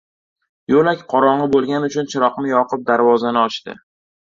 Yo‘lak qorongi bo‘lgani uchun chiroqni yoqib, darvozani ochdi